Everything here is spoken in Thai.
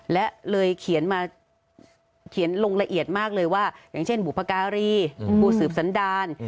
และเลยเขียนมาเขียนลงละเอียดมากเลยว่าอย่างเช่นบุพการีผู้สืบสันดาร